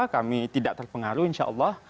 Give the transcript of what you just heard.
kami tidak terpengaruh insya allah